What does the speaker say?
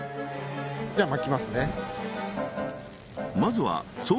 じゃあまきますね